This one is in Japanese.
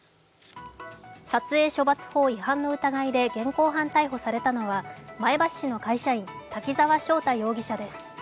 撮影処罰法違反の疑いで現行犯逮捕されたのは、前橋市の会社員・滝沢彰太容疑者です。